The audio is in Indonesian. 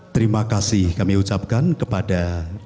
terima kasih kami ucapkan kepada